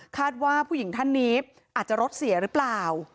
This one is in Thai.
ว่าผู้หญิงท่านนี้อาจจะรถเสียหรือเปล่า